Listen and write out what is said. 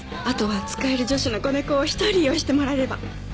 あとは使える女子の子猫を一人用意してもらえれば。